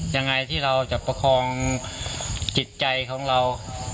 ยังไงที่เราจะประคองจิตใจของเรา